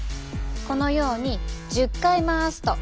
このように１０回回すと。